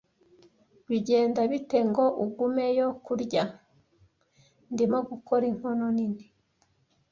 Bigenda bite ngo ugumeyo kurya? Ndimo gukora inkono nini